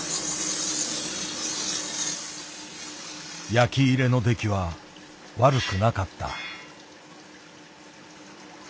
焼き入れの出来は悪くなかった。